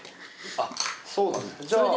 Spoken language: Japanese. あっそうなんですね。